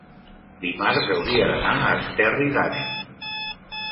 dimarts hauria d'anar a Esterri d'Àneu.